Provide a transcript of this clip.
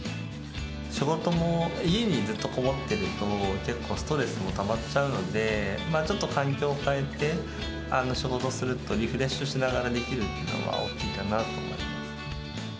仕事も家にずっとこもっていると、結構ストレスもたまっちゃうので、ちょっと環境を変えて、仕事すると、リフレッシュしながらできるというのが大きいかなと思います。